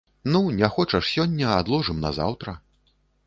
Ну, не хочаш сягоння, адложым на заўтра.